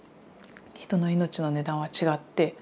人の命の値段は違って。